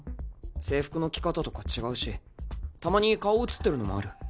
制服の着方とか違うしたまに顔写ってるのもある。